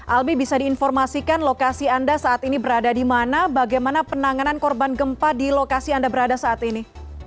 albi bisa diinformasikan lokasi anda saat ini berada di mana bagaimana penanganan korban gempa di lokasi anda berada saat ini